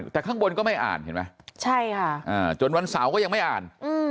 แต่ข้างบนก็ไม่อ่านเห็นไหมใช่ค่ะจนวันเสาร์ก็ยังไม่อ่าน